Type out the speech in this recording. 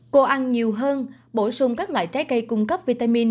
cô ăn nhiều hơn bổ sung các loại trái cây cung cấp vitamin